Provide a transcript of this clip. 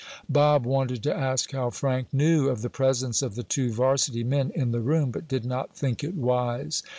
Bob wanted to ask how Frank knew of the presence of the two varsity men in the room, but did not think it wise.